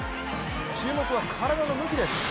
注目は、体の向きです。